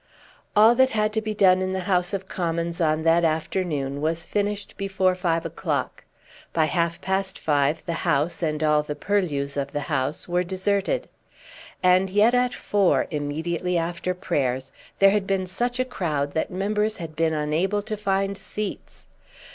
All that had to be done in the House of Commons on that afternoon was finished before five o'clock. By half past five the House, and all the purlieus of the House, were deserted. And yet at four, immediately after prayers, there had been such a crowd that members had been unable to find seats!